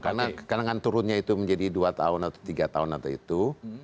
karena kan turunnya itu menjadi dua tahun atau tiga tahun atau itu